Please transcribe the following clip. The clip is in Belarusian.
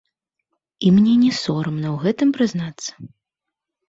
І мне не сорамна ў гэтым прызнацца.